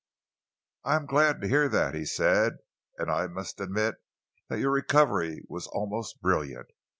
"I am glad to hear that," he said, "and I must admit that your recovery was almost brilliant.